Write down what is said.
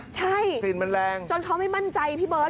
ใช่จนเขาไม่มั่นใจพี่เบิร์ด